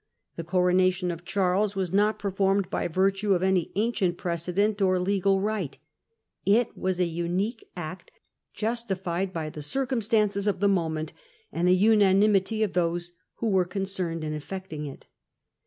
The coronation of Charles Contests was uot performed by virtue of any ancient ineyitaWe j . i i • "Lx 'x after the precedent or legal right; it was a umque c^ies act, justified by the circumstances of the moment and the unanimity of those who were con cerned in efifecting it.